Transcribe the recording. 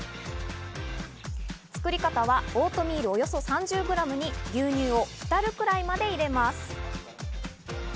作り方はオートミールおよそ３０ｇに牛乳を浸るくらいまで入れます。